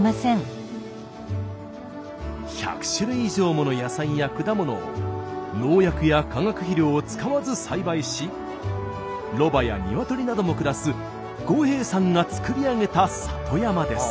１００種類以上もの野菜や果物を農薬や化学肥料を使わず栽培しロバや鶏なども暮らす五兵衛さんが作り上げた里山です。